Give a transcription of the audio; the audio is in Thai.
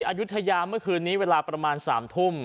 อายุทยาเมื่อคืนนี้เวลาประมาณ๓ทุ่ม